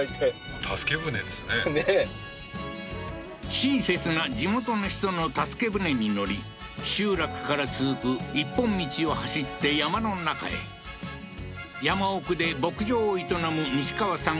親切な地元の人の助け舟に乗り集落から続く一本道を走って山の中へ山奥で牧場を営むニシカワさん